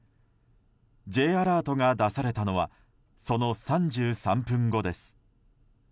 Ｊアラートが出されたのはその３３分後です。